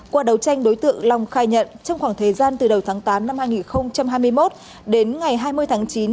qua đấu tranh đối tượng long khai nhận trong khoảng thời gian từ đầu tháng tám năm hai nghìn hai mươi một đến ngày hai mươi tháng chín